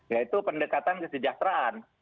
yaitu pendekatan kesejahteraan